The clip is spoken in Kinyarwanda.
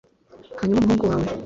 hanyuma umuhungu wawe